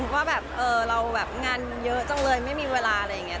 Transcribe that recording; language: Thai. ว่าแบบเราแบบงานเยอะจังเลยไม่มีเวลาอะไรอย่างนี้